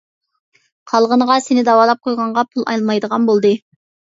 قالغىنىغا سېنى داۋالاپ قويغانغا پۇل ئالمايدىغان بولدى.